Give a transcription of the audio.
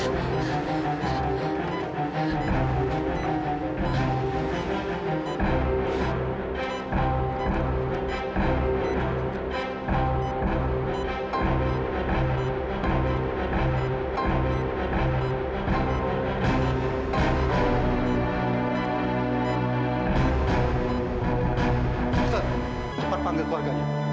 dokter cepat panggil keluarganya